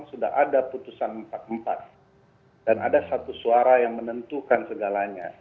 nya bisa saja terjadi karena memang sudah ada putusan empat empat dan ada satu suara yang menentukan segalanya